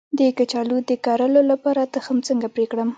د کچالو د کرلو لپاره تخم څنګه پرې کړم؟